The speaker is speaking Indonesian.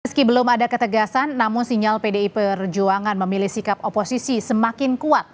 meski belum ada ketegasan namun sinyal pdi perjuangan memilih sikap oposisi semakin kuat